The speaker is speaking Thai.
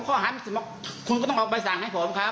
ถ้าคุณจะจับผมข้อหารคุณก็ต้องออกใบสั่งให้ผมครับ